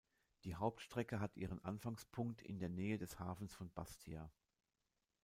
Die Hauptstrecke hat ihren Anfangspunkt in der Nähe des Hafens von Bastia.